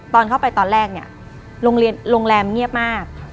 ตอนเข้าไปตอนแรกเนี่ยโรงแรมเงียบมาก